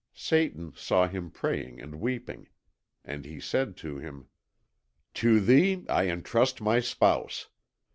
Satan saw him praying and weeping. And he said to him: "To thee I entrust my Spouse.